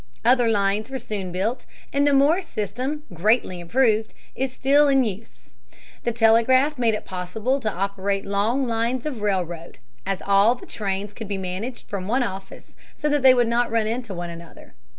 Other lines were soon built, and the Morse system, greatly improved, is still in use. The telegraph made it possible to operate long lines of railroad, as all the trains could be managed from one office so that they would not run into one another.